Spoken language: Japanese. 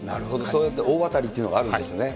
そういう大当たりというのがあるんですね。